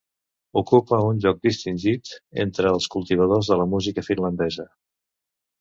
Ocupa un lloc distingit entre els cultivadors de la música finlandesa.